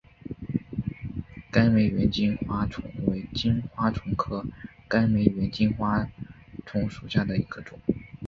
甘薯猿金花虫为金花虫科甘薯猿金花虫属下的一个种。